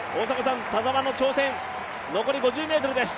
田澤の挑戦、残り５０ｍです。